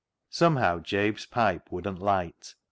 Somehow Jabe's pipe wouldn't light.